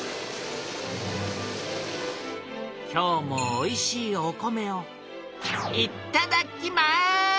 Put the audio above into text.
今日もおいしいお米をいただきます！